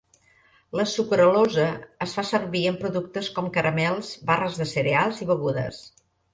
La sucralosa es fa servir en productes com caramels, barres de cereals i begudes.